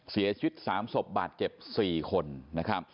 เสียชิด๓ศพบาทเก็บ๔คน